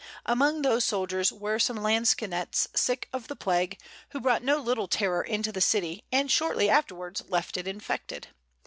Among those soldiers were some lansquenets sick of the plague, who brought no little terror into the city and shortly afterwards left it infected.